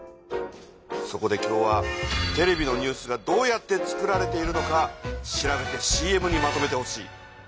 そこで今日はテレビのニュースがどうやって作られているのか調べてＣＭにまとめてほしい。